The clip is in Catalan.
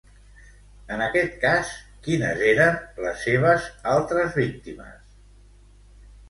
En aquest cas, quines eren les seves altres víctimes?